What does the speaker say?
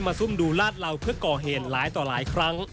ซุ่มดูลาดเหล่าเพื่อก่อเหตุหลายต่อหลายครั้ง